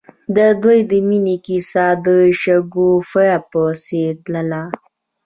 د دوی د مینې کیسه د شګوفه په څېر تلله.